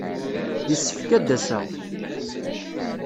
Yessefk ad d-aseɣ.